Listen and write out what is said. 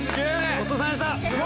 ごちそうさまでした！